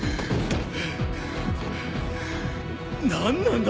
何なんだ